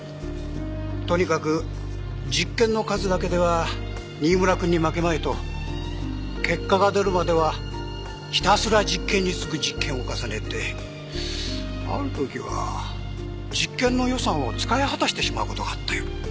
とにかく実験の数だけでは新村君に負けまいと結果が出るまではひたすら実験に次ぐ実験を重ねてある時は実験の予算を使い果たしてしまう事があったよ。